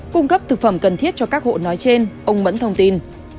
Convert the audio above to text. cung cấp thực phẩm cần thiết cho các hộ nói trên ông mẫn thông tin